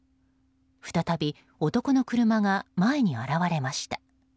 再び男の車が前に現れました。